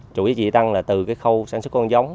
chủi giá trị gia tăng là từ khâu sản xuất con giống